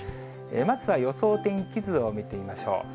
まずは予想天気図を見てみましょう。